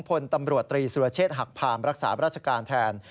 พลตำรวจตรีสุรเชษฐหักพามรักษาราชการแทน